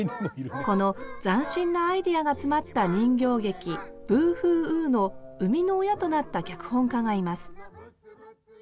この斬新なアイデアが詰まった人形劇「ブーフーウー」の生みの親となった脚本家がいます